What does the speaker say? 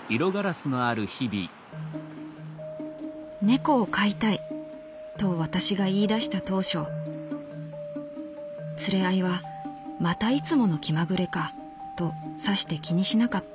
「『猫を飼いたい』と私が言い出した当初連れ合いはまたいつもの気まぐれかとさして気にしなかった」。